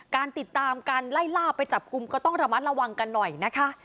การติดตามการไล่ล่าไปจับกลุ่มก็ต้องระมัดระวังกันหน่อยนะคะ